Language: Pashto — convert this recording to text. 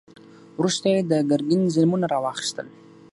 وروسته یې د ګرګین ظلمونه را واخیستل.